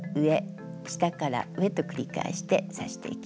下から上と繰り返して刺していきます。